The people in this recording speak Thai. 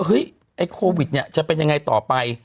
เฮ้ยไอ้โควิดเนี่ยจะเป็นยังไงต่อไป